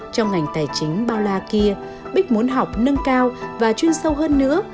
trong ngành tài chính bao la kia bích muốn học nâng cao và chuyên sâu hơn nữa